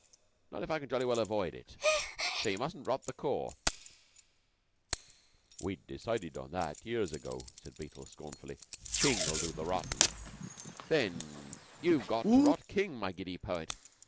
"Not if I can jolly well avoid it. So you mustn't rot the corps." "We'd decided on that, years ago," said Beetle, scornfully. "King'll do the rottin'." "Then you've got to rot King, my giddy poet.